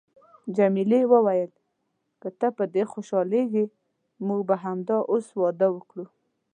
جميلې وويل: که ته په دې خوشحالیږې، موږ به همدا اوس واده وکړو.